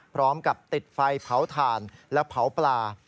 พร้อมกับติดไฟเผาถ่านและเผาปลา